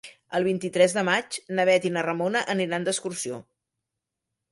El vint-i-tres de maig na Bet i na Ramona aniran d'excursió.